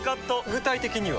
具体的には？